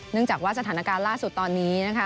จากว่าสถานการณ์ล่าสุดตอนนี้นะคะ